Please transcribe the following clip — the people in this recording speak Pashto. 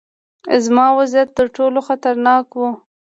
زما وضعیت ترټولو خطرناک و.